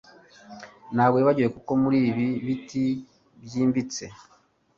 Ntabwo wibagiwe kuko muribi biti byimbitse